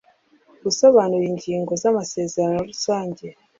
gusobanura ingingo z amasezerano rusange